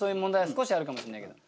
少しあるかもしんないけど。